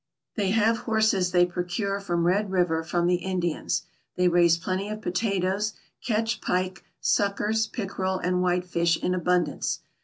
They have horses they procure from Red River from the Indians ; they raise plenty of potatoes, catch pike, suckers, pickerel and white fish in abundance.